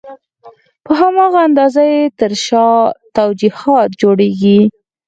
په هماغه اندازه یې تر شا توجیهات جوړېږي.